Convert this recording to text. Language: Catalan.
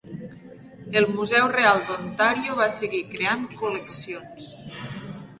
El Museu Real d'Ontario va seguir creant col·leccions.